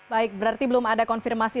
baik berarti belum ada konfirmasi